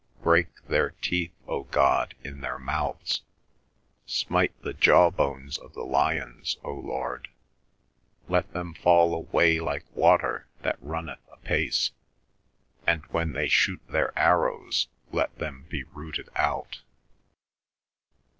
... Break their teeth, O God, in their mouths; smite the jaw bones of the lions, O Lord: let them fall away like water that runneth apace; and when they shoot their arrows let them be rooted out."